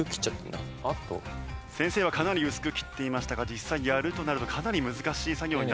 先生はかなり薄く切っていましたが実際やるとなるとかなり難しい作業になってきます。